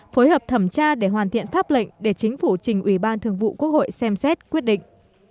phối hợp thẩm tra để hoàn thiện pháp lệnh để chính phủ trình ủy ban thường vụ quốc hội xem xét quyết định